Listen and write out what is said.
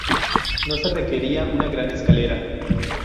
No se requería una "gran" escalera.